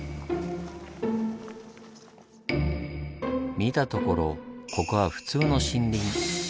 見たところここは普通の森林。